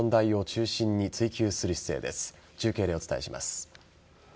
中継でお伝えします。